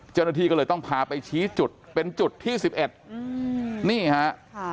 เจ้าหน้าที่ก็เลยต้องพาไปชี้จุดเป็นจุดที่๑๑นี่ฮะ